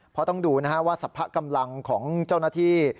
เพราะต้องดูนะฮะว่าสรรพกำลังของเจ้าหน้าที่